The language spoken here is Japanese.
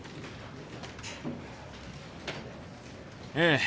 ええ。